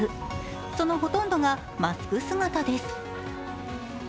そのほとんどがマスク姿です。